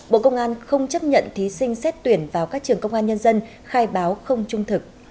bộ công an không chấp nhận thí sinh xét tuyển vào các trường công an nhân dân khai báo không trung thực